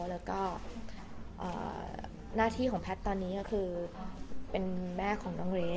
แล้วก็หน้าที่ของแพทย์ตอนนี้ก็คือเป็นแม่ของน้องเรท